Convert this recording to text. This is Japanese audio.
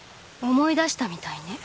思い出したみたいね。